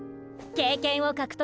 経験を獲得！